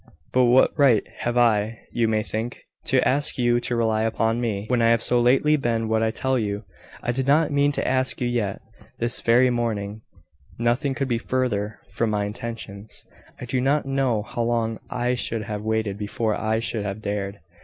But what right have I, you may think, to ask you to rely upon me, when I have so lately been what I tell you. I did not mean to ask you yet. This very morning, nothing could be further from my intentions. I do not know how long I should have waited before I should have dared.